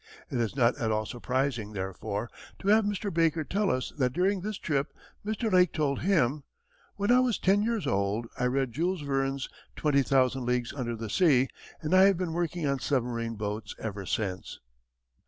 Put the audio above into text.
It is not at all surprising, therefore, to have Mr. Baker tell us that during this trip Mr. Lake told him: "When I was ten years old, I read Jules Verne's Twenty Thousand Leagues under the Sea, and I have been working on submarine boats ever since."